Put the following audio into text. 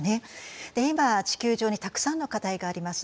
今地球上にたくさんの課題があります。